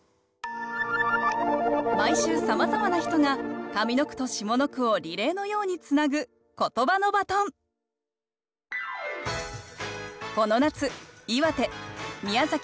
毎週さまざまな人が上の句と下の句をリレーのようにつなぐこの夏岩手宮崎